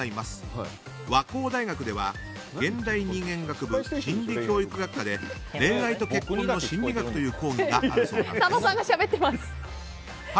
和光大学では現代人間学部心理教育学科で恋愛と結婚の心理学という授業があるそうなんです。